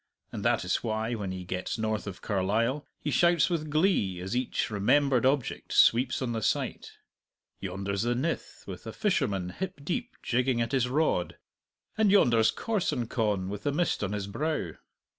And that is why, when he gets north of Carlisle, he shouts with glee as each remembered object sweeps on the sight: yonder's the Nith with a fisherman hip deep jigging at his rod, and yonder's Corsoncon with the mist on his brow.